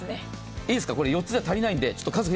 いいですか？